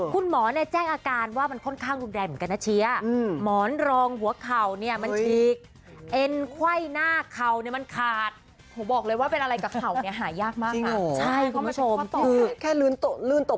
คือแค่ลื่นตกบันไดใช่เหรอ